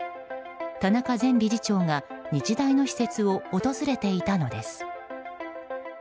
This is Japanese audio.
田中前理事長が日大の施設を訪れていたのです。